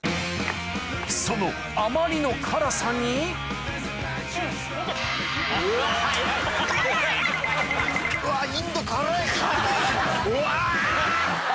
そのあまりの辛さにうんおいし。